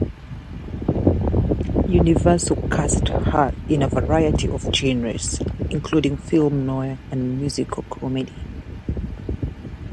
Universal cast her in a variety of genres including film noir and musical comedy.